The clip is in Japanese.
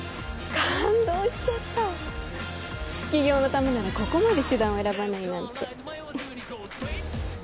感動しちゃった起業のためならここまで手段を選ばないなんて